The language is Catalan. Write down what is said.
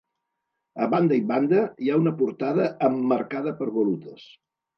A banda i banda, hi ha una portada emmarcada per volutes.